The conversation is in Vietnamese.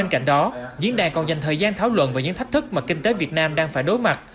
các đảng còn dành thời gian thảo luận về những thách thức mà kinh tế việt nam đang phải đối mặt